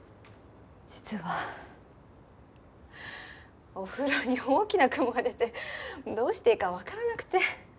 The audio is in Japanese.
実はお風呂に大きなクモが出てどうしていいかわからなくて。